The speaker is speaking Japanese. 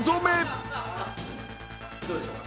どうでしょうか。